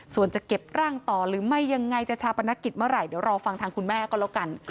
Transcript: ส่วนจะเก็บร่างต่อหรือไม่ยังไงจะชาปนกิจเมื่อไหร่เดี๋ยวรอฟังทางคุณแม่ก็แล้วกัน